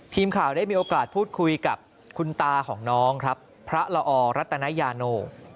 ทีมข่าวได้มีโอกาสพูดคุยกับคุณตาของน้องครับพระละออรัตนยาโน